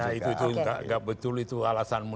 ya itu juga nggak betul itu alasanmu